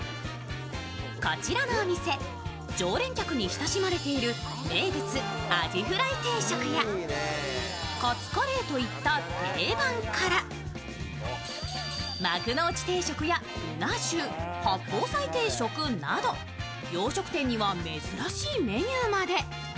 こちらのお店、常連客に親しまれている名物、アジフライ定食や、カツカレーといった定番から幕の内定食や、うな重、八宝菜定食など洋食店には珍しいメニューまで。